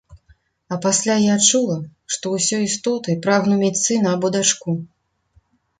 А пасля я адчула, што ўсёй істотай прагну мець сына або дачку.